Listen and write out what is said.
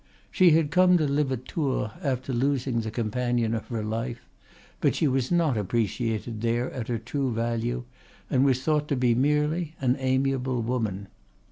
She had come to live at Tours after losing the companion of her life; but she was not appreciated there at her true value and was thought to be merely an amiable woman.